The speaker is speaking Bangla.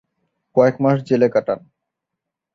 কয়েকমাস জেলে কাটান।